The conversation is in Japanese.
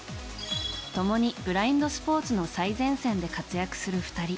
共にブラインドスポーツの最前線で活躍する２人。